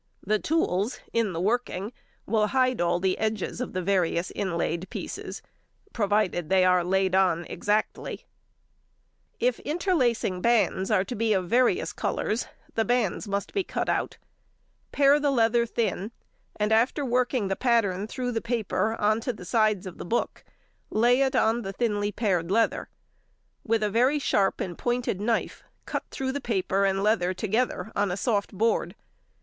The tools in the working will hide all the edges of the various inlaid pieces, provided they are laid on exactly. [Illustration: MAIOLI. Royal folio. T. Way, Photo Lith.] If interlacing bands are to be of various colours, the bands must be cut out. Pare the leather thin, and after working the pattern through the paper on to the sides of the book, lay it on the thinly pared leather; with a very sharp and pointed knife cut through the paper and leather together on a soft board.